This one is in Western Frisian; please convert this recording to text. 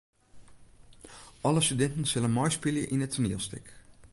Alle studinten sille meispylje yn it toanielstik.